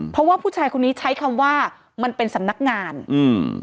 เพราะว่าผู้ชายคนนี้ใช้คำว่ามันเป็นสำนักงานอืม